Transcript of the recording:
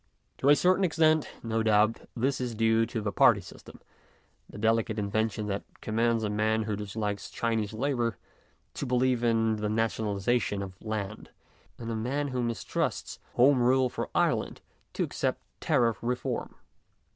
To a certain extent, no doubt, this is due to the party system ; the delicate invention that commands a man who disliked Chinese Labour to believe in the nationalization of land, and a man who mistrusts Home Rule for Ireland to accept Tariff Reform.